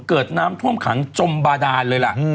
เกิดน้ำท่วมขังจมบาดานเลยล่ะ